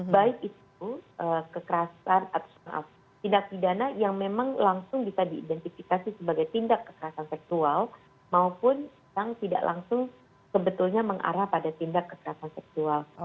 baik itu kekerasan atau tindak pidana yang memang langsung bisa diidentifikasi sebagai tindak kekerasan seksual maupun yang tidak langsung sebetulnya mengarah pada tindak kekerasan seksual